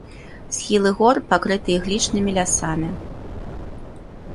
Схілы гор пакрыты іглічнымі лясамі.